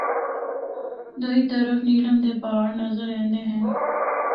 دوئی طرف نیلم دے پہاڑ نظر ایندے ہن۔